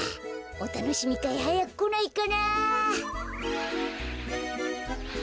おたのしみかいはやくこないかな。